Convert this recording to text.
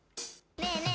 ねえ？ねえ？